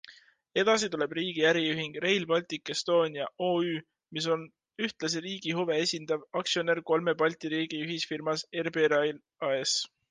Edasi tuleb riigi äriühing Rail Baltic Estonia OÜ, mis on ühtlasi riigi huve esindav aktsionär kolme Balti riigi ühisfirmas RB Rail AS.